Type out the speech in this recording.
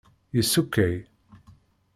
Yessukkay.